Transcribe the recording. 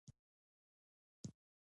مور د ماشومانو د خوب کیفیت ښه کوي.